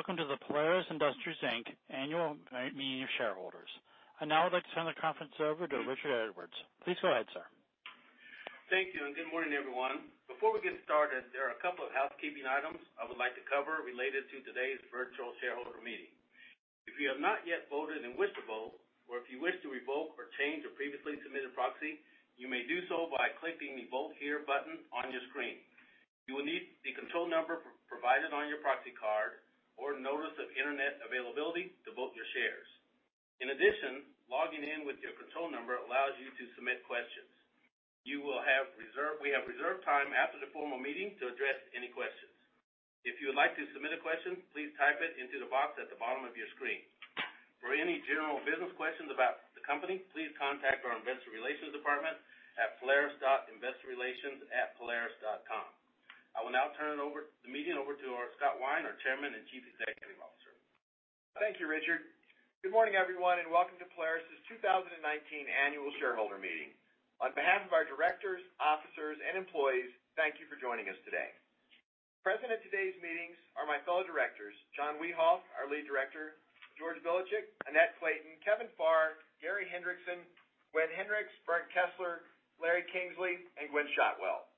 Hello, and welcome to the Polaris Inc. annual meeting of shareholders. I'd now like to turn the conference over to Richard Edwards. Please go ahead, sir. Thank you, and good morning, everyone. Before we get started, there are a couple of housekeeping items I would like to cover related to today's virtual shareholder meeting. If you have not yet voted and wish to vote, or if you wish to revoke or change a previously submitted proxy, you may do so by clicking the Vote Here button on your screen. You will need the control number provided on your proxy card or notice of internet availability to vote your shares. In addition, logging in with your control number allows you to submit questions. We have reserved time after the formal meeting to address any questions. If you would like to submit a question, please type it into the box at the bottom of your screen. For any general business questions about the company, please contact our investor relations department at polaris.investorrelations@polaris.com. I will now turn the meeting over to Scott Wine, our Chairman and Chief Executive Officer. Thank you, Richard. Good morning, everyone, and welcome to Polaris' 2019 annual shareholder meeting. On behalf of our directors, officers, and employees, thank you for joining us today. Present at today's meetings are my fellow directors, John Wiehoff, our Lead Director, George Bilicic, Annette Clayton, Kevin Farr, Gary Hendrickson, Gwynne Shotwell, Bernd Kessler, Larry Kingsley, and Gwynne Shotwell.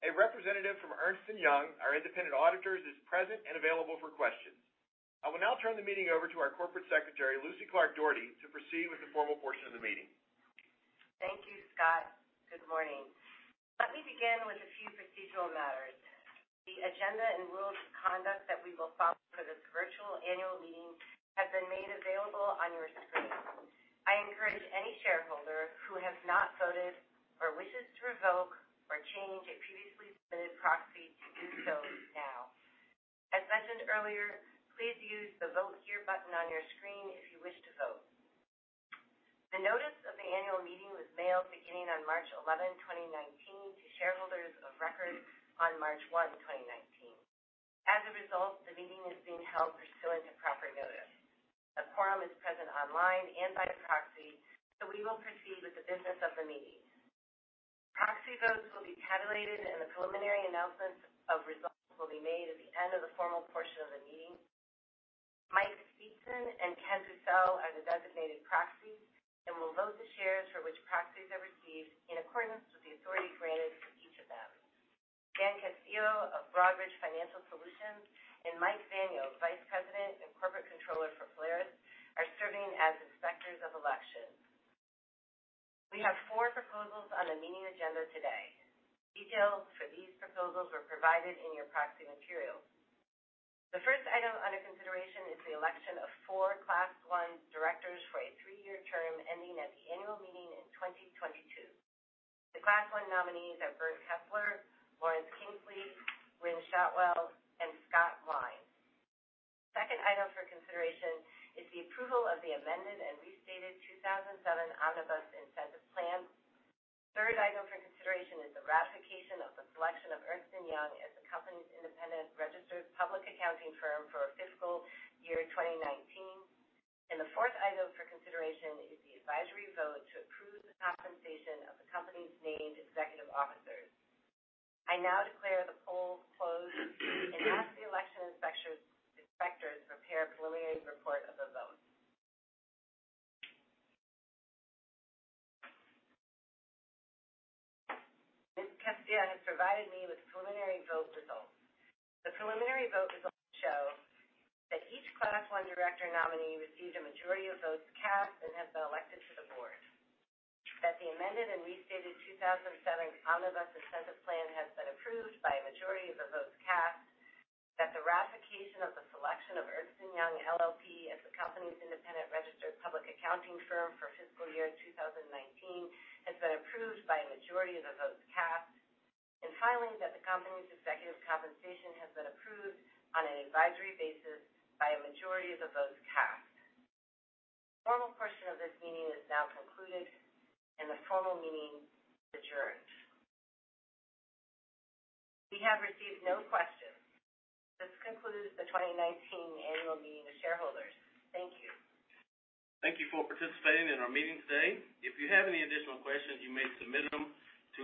A representative from Ernst & Young, our independent auditors, is present and available for questions. I will now turn the meeting over to our Corporate Secretary, Lucy Clark Dougherty, to proceed with the formal portion of the meeting. Thank you, Scott. Good morning. Let me begin with a few procedural matters. The agenda and rules of conduct that we will follow for this virtual annual meeting have been made available on your screen. I encourage any shareholder who has not voted or wishes to revoke or change a previously submitted proxy to do so now. As mentioned earlier, please use the Vote Here button on your screen if you wish to vote. The notice of the annual meeting was mailed beginning on March 11, 2019, to shareholders of record on March 1, 2019. As a result, the meeting is being held pursuant to proper notice. A quorum is present online and by proxy. We will proceed with the business of the meeting. Proxy votes will be tabulated, and the preliminary announcements of results will be made at the end of the formal portion of the meeting. Michael Speetzen and Kenneth Pucel are the designated proxies and will vote the shares for which proxies are received in accordance with the authority granted to each of them. Dan Castillo of Broadridge Financial Solutions and Michael Vania, vice president and corporate controller for Polaris, are serving as inspectors of election. We have four proposals on the meeting agenda today. Details for these proposals were provided in your proxy materials. The first item under consideration is the election of four Class I directors for a three-year term ending at the annual meeting in 2022. The Class I nominees are Bernd F. Kessler, Lawrence Kingsley, Gwynne Shotwell, and Scott Wine. The second item for consideration is the approval of the amended and restated 2007 Omnibus Incentive Plan. The third item for consideration is the ratification of the selection of Ernst & Young as the company's independent registered public accounting firm for fiscal year 2019. The fourth item for consideration is the advisory vote to approve the compensation of the company's named executive officers. I now declare the polls closed and ask the election inspectors to prepare a preliminary report of the vote. Mr. Castillo has provided me with preliminary vote results. The preliminary vote results show that each Class I director nominee received a majority of votes cast and has been elected to the board, that the amended and restated 2007 Omnibus Incentive Plan has been approved by a majority of the votes cast, that the ratification of the selection of Ernst & Young LLP as the company's independent registered public accounting firm for fiscal year 2019 has been approved by a majority of the votes cast. Finally, that the company's executive compensation has been approved on an advisory basis by a majority of the votes cast. The formal portion of this meeting is now concluded. The formal meeting is adjourned. We have received no questions. This concludes the 2019 annual meeting of shareholders. Thank you. Thank you for participating in our meeting today. If you have any additional questions, you may submit them to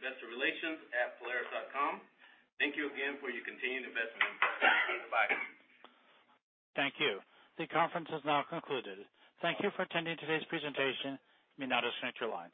polaris.investorrelations@polaris.com. Thank you again for your continued investment. Goodbye. Thank you. The conference has now concluded. Thank you for attending today's presentation. You may now disconnect your lines.